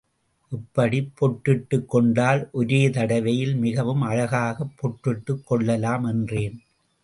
இப்படிப் பொட்டிட்டுக் கொண்டால், ஒரே தடவையில் மிகவும் அழகாகப் பொட்டிட்டுக் கொள்ளலாம் என்றேன்.